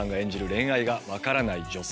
恋愛が分からない女性。